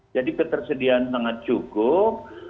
jadi ketersediaan sangat cukup